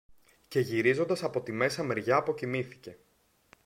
Και γυρίζοντας από τη μέσα μεριά αποκοιμήθηκε.